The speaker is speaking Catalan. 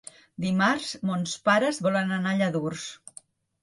Dimarts mons pares volen anar a Lladurs.